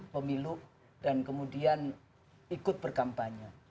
pemilu dan kemudian ikut berkampanye